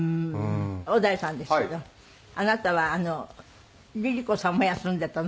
小田井さんですけどあなたはあのＬｉＬｉＣｏさんも休んでたの？